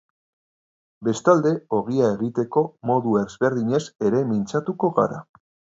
Bestalde, ogia egiteko modu ezberdinez ere mintzatuko gara.